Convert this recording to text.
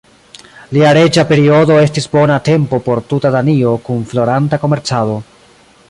Lia reĝa periodo estis bona tempo por tuta Danio kun floranta komercado.